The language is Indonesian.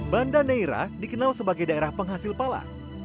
banda neira dikenal sebagai daerah penghasil pala